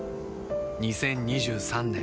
２０２３年